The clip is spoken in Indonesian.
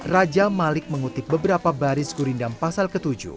raja malik mengutip beberapa baris gurindam pasal ke tujuh